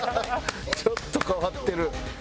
ちょっと変わってる。